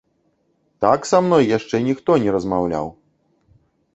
Так са мной яшчэ ніхто не размаўляў!